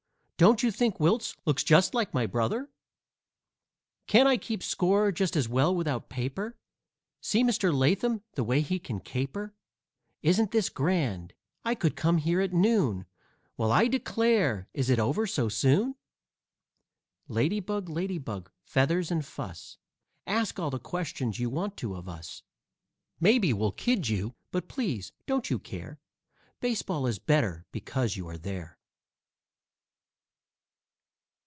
"Don't you think Wiltse looks just like my brother?" "Can't I keep score just as well without paper?" "See Mister Latham, the way he can caper!" "Isn't this grand? I could come here at noon!" "Well, I declare! Is it over so soon?" Lady Bug, Lady Bug, feathers and fuss, Ask all the questions you want to of us. Maybe we'll kid you, but, please, don't you care; Baseball is better because you are there.